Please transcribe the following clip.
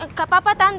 gak apa apa tante